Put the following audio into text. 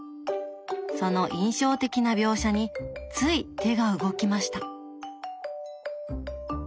その印象的な描写につい手が動きました。